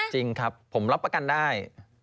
จริงครับผมรับประกันได้